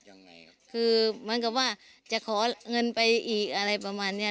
จริงคือมันก็ว่าจะขอเงินไปอีกอะไรประมาณเนี่ย